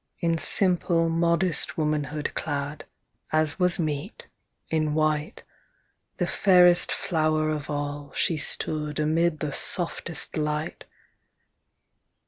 In simple, modest womanhood Clad, as was meet, in white, The fairest flower of all, she stood Amid the softest light.